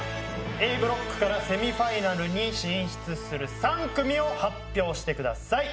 Ａブロックからセミファイナルに進出する３組を発表してください